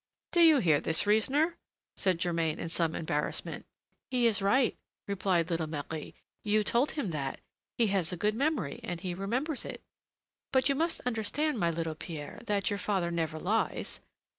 "Do you hear this reasoner?" said Germain in some embarrassment. "He is right," replied little Marie, "you told him that; he has a good memory, and he remembers it. But you must understand, my little Pierre, that your father never lies.